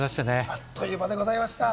あっという間でございました。